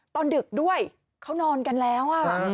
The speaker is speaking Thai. ดึกด้วยเขานอนกันแล้ว